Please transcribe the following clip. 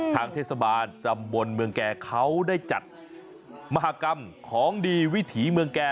ทางเทศบาลตำบลเมืองแก่เขาได้จัดมหากรรมของดีวิถีเมืองแก่